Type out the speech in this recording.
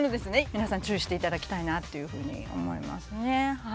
皆さん注意していただきたいなというふうに思いますね。